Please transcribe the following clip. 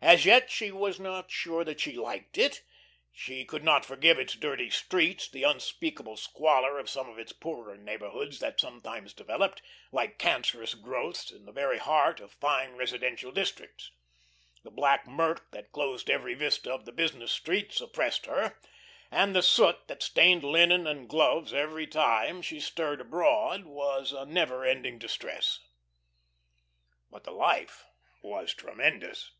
As yet she was not sure that she liked it; she could not forgive its dirty streets, the unspeakable squalor of some of its poorer neighbourhoods that sometimes developed, like cancerous growths, in the very heart of fine residence districts. The black murk that closed every vista of the business streets oppressed her, and the soot that stained linen and gloves each time she stirred abroad was a never ending distress. But the life was tremendous.